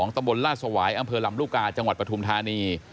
ตำบลลาดสวายอำเภอลำลูกกาจังหวัดปฐุมธานี